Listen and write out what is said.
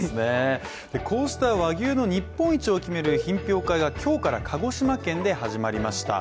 こうした和牛の日本一を決める品評会が今日から鹿児島県で始まりました。